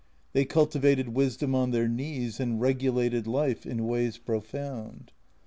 They cultivated Wisdom on their knees And regulated life in ways profound.